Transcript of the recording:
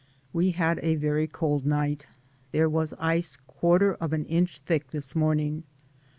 We had a very cold night; there was ice a quarter of an inch thick this morning.